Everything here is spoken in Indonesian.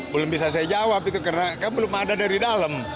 belum bisa saya jawab itu karena kan belum ada dari dalam